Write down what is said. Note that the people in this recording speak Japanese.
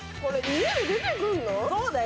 そうだよ。